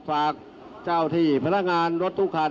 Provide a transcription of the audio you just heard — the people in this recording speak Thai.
ฝากเจ้าที่พนักงานรถทุกคัน